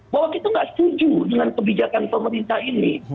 bahwa kami tidak setuju dengan kebijakan pemerintah ini